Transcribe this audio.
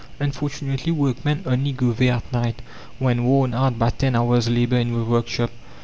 Unfortunately workmen only go there at night when worn out by ten hours' labour in the workshop.